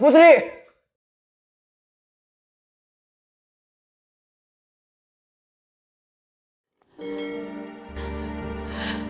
putri aku nolak